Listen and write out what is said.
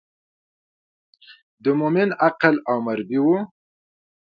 د مومن عقل او مربي و.